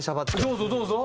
どうぞどうぞ。